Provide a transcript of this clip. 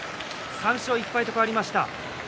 ３勝１敗と変わりました。